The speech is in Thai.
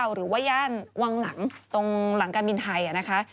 หรือว่าย่านวังหลังตรงหลังการบินไทยนะคะ